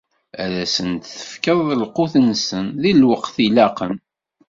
Ad asen-d-tefkeḍ lqut-nsen, di lweqt ilaqen.